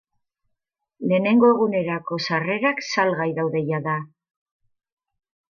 Lehenengo egunerako sarrerak salgai daude jada.